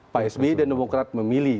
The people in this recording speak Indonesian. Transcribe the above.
pak sby dan demokrat memilih